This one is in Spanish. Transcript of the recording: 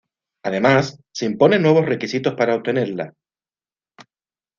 Además, se imponen nuevos requisitos para obtenerla.